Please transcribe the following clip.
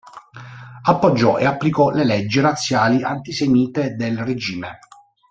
Appoggiò e applicò le leggi razziali antisemite del regime.